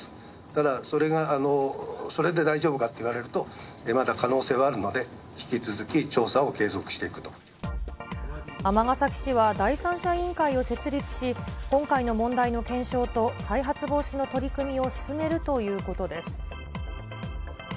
ただそれが、それで大丈夫かと言われると、まだ可能性はあるので、引き続き尼崎市は第三者委員会を設立し、今回の問題の検証と再発防止の取り組みを進めるということです。